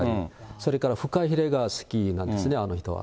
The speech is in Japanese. それからふかひれが好きなんですね、あの人は。